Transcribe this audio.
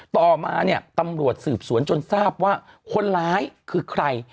ต่อมาเนี่ยตำรวจสืบสวนจนทราบว่าคนร้ายคือใคร